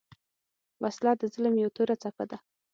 وسله د ظلم یو توره څپه ده